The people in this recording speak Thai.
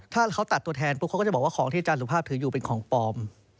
ถ้าเขาตัดตัวแทนปุ๊บเขาก็จะบอกว่าของที่อาจารย์สุภาพถืออยู่เป็นของปลอม